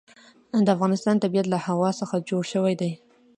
د افغانستان طبیعت له هوا څخه جوړ شوی دی.